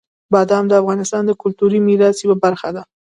بادام د افغانستان د کلتوري میراث یوه برخه ده.